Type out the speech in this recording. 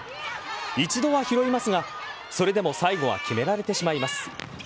一度は拾いますがそれでも最後は決められてしまいます。